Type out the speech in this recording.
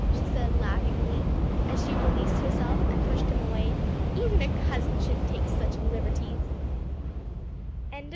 she said laughingly as she released herself and pushed him away. "Even a cousin shouldn't take such liberties." CHAPTER XXIV. "O pilot!